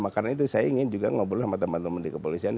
karena itu saya ingin juga ngobrol sama teman teman di kepolisian